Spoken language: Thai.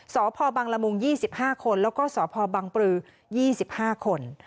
สพบังละมุง๒๕คนแล้วก็สพบังปรือ๒๕คน